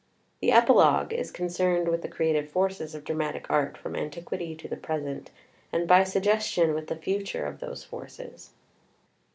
The Epilogue is concerned with the creative forces of dramatic art from antiquity to the present, and by suggestion with the future of those forces.